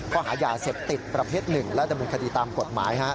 ข้อหายาเสพติดประเภทหนึ่งและดำเนินคดีตามกฎหมาย